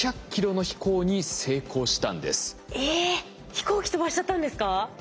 飛行機飛ばしちゃったんですか？